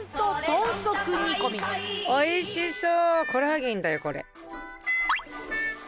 うわおいしそう。